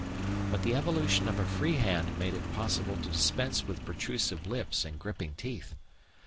But the evolution of a free hand made it possible to dispense with protrusive lips and gripping teeth.